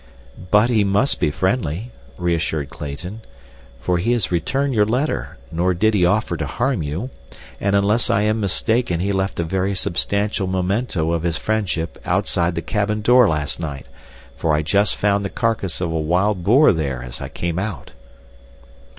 "But he must be friendly," reassured Clayton, "for he has returned your letter, nor did he offer to harm you, and unless I am mistaken he left a very substantial memento of his friendship outside the cabin door last night, for I just found the carcass of a wild boar there as I came out."